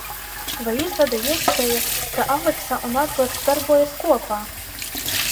Vai ir tāda iespēja, ka Aleksa un Adlers darbojas kopā?